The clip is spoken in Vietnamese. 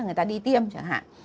người ta đi tiêm chẳng hạn